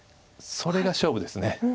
それが勝負です。